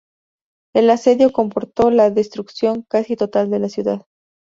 El asedio comportó la destrucción casi total de la ciudad.